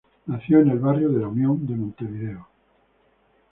Nació en el barrio La Unión de Montevideo.